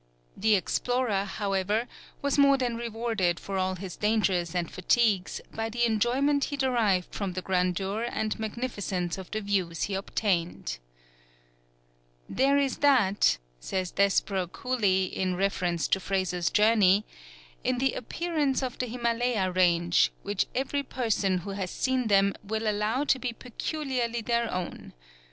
The explorer, however, was more than rewarded for all his dangers and fatigues by the enjoyment he derived from the grandeur and magnificence of the views he obtained. [Illustration: "Villages picturesquely perched."] "There is that," says Desborough Cooley in reference to Fraser's journey, "in the appearance of the Himalaya range, which every person who has seen them will allow to be peculiarly their own.